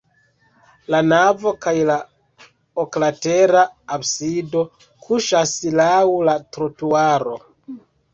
La navo kaj la oklatera absido kuŝas laŭ la trotuaro.